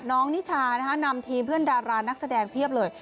นิชานะคะนำทีมเพื่อนดารานักแสดงเพียบเลย